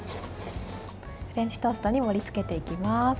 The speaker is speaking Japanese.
フレンチトーストに盛りつけていきます。